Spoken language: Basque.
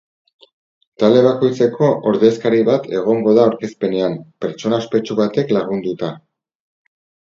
Talde bakoitzeko ordezkari bat egon da aurkezpenean, pertsona ospetsu batek lagunduta.